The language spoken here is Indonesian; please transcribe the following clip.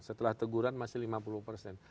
setelah teguran masih lima puluh persen